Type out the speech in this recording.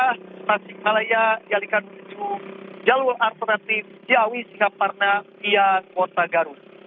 rajakmola tasik malaya jalikan ujung jalur alternatif ciawi singaparna via kota garut